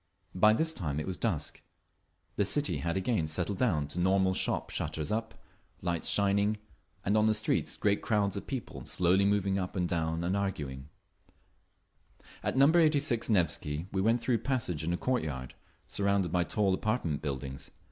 By this time it was dusk. The city had again settled down to normal—shop shutters up, lights shining, and on the streets great crowds of people slowly moving up and down and arguing…. At Number 86 Nevsky we went through a passage into a courtyard, surrounded by tall apartment buildings.